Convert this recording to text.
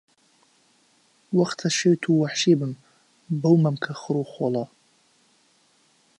وەختە شێت و وەحشی بم بەو مەمکە خڕ و خۆڵە